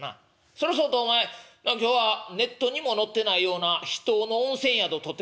そらそうとお前今日はネットにも載ってないような秘湯の温泉宿取ってくれたんやってな」。